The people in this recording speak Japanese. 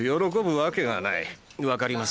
分かります。